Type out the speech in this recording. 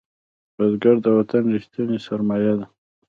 بزګر د وطن ریښتینی سرمایه ده